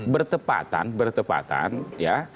bertepatan bertepatan ya